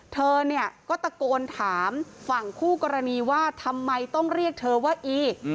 เธอเนี่ยก็ตะโกนถามฝั่งคู่กรณีว่าทำไมต้องเรียกเธอว่าอี